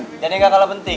dan yang nggak kalah penting